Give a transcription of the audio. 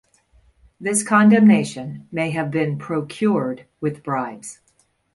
This condemnation may have been procured with bribes.